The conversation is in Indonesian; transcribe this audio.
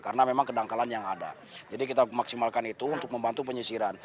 karena memang kedangkalan yang ada jadi kita memaksimalkan itu untuk membantu penyisiran